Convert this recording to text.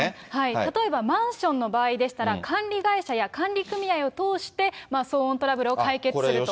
例えばマンションの場合でしたら、管理会社や管理組合を通して、騒音トラブルを解決すると。